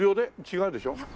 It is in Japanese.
違うでしょ？